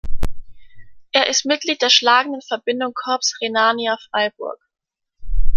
Er ist Mitglied der schlagenden Verbindung Corps Rhenania Freiburg.